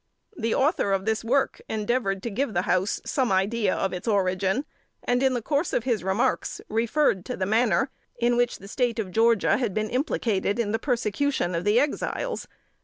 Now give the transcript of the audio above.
The Author of this work endeavored to give the House some idea of its origin, and, in the course of his remarks, referred to the manner in which the State of Georgia had been implicated in the persecution of the Exiles.